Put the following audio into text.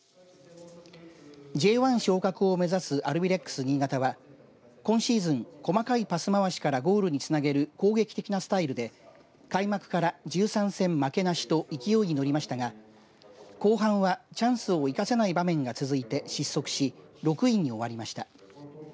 Ｊ１昇格を目指すアルビレックス新潟は今シーズン、細かいパス回しからゴールにつなげる攻撃的なスタイルで、開幕から１３戦負けなしと勢いに乗りましたが後半は、チャンスを生かせない場面が続いて失速し、６位に終わりました。